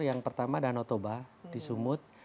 yang pertama danau toba di sumut